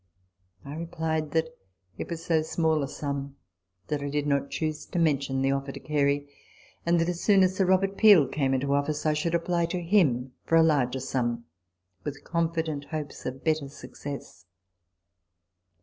I replied that " it was so small a sum, that I did not choose to mention the offer to Gary ; and that, as soon as Sir Robert Peel came into office, I should apply to him for a larger sum, with confident hopes of better success."